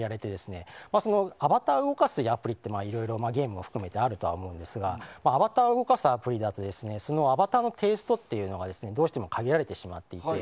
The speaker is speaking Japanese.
アバターを動かすアプリっていろいろ、ゲームを含めてあると思うんですがアバターを動かすアプリだとそのアバターのテイストがどうしても限られてしまっていて。